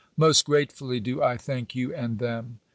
Most gratefully do I thank you and them.